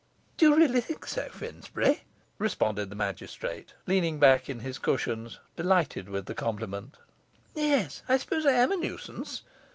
'Do you really think so, Finsbury?' responded the magistrate, leaning back in his cushions, delighted with the compliment. 'Yes, I suppose I am a nuisance.